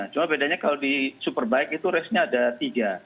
cuma bedanya kalau di superbike itu race nya ada tiga